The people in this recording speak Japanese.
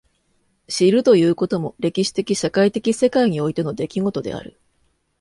知るということも歴史的社会的世界においての出来事である。